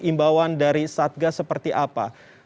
imbauan dari satgas seperti apa